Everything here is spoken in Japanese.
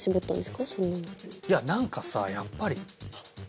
いやなんかさやっぱり。